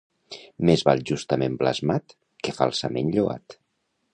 Més val justament blasmat, que falsament lloat.